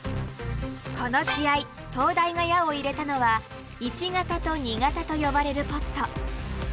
この試合東大が矢を入れたのは１型と２型と呼ばれるポット。